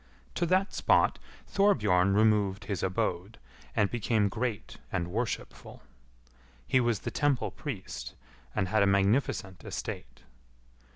To that spot Thorbjorn removed his abode, and became great and worshipful. He was the temple priest, and had a magnificent estate.